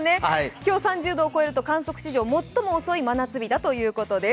今日３０度超えると観測史上最も遅い真夏日ということです